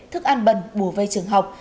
thức ăn bẩn bùa vây trường học